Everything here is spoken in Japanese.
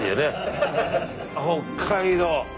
北海道！